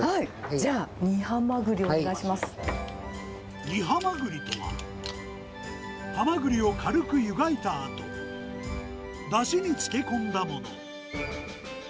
じゃあ、煮ハマグリをお願い煮ハマグリとは、ハマグリを軽く湯がいたあと、だしに漬け込んだもの。